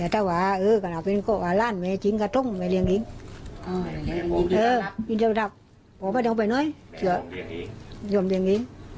ถ้าว่าเออก็นับเป็นโกะหวานล่านไม่จริงก็ต้องไม่เรียงริ้ง